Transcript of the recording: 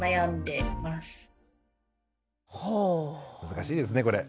難しいですねこれ。